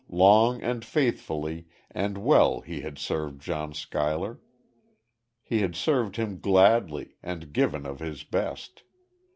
Long, and faithfully, and well had he served John Schuyler. He had served him gladly, and given of his best.